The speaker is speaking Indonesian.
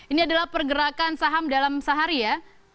ini adalah pergerakan saham dalam sehari ya